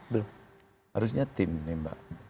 belum harusnya tim nih mbak